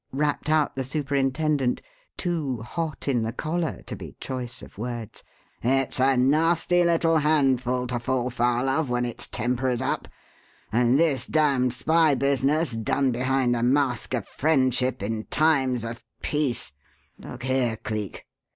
rapped out the superintendent too "hot in the choler" to be choice of words. "It's a nasty little handful to fall foul of when its temper is up; and this damned spy business, done behind a mask of friendship in times of peace Look here, Cleek!